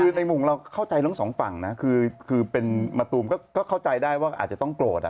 คือในมุมเราเข้าใจทั้งสองฝั่งนะคือเป็นมะตูมก็เข้าใจได้ว่าอาจจะต้องโกรธ